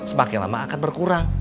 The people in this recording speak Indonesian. semakin lama akan berkurang